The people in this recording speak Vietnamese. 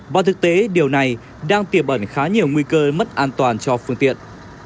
và thực tế điều này đang tiềm ẩn khá nhiều nguy cơ mất an toàn cho phương tiện